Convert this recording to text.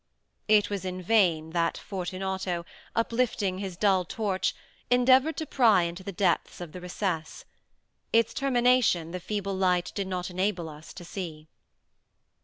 It was in vain that Fortunato, uplifting his dull torch, endeavored to pry into the depths of the recess. Its termination the feeble light did not enable us to see.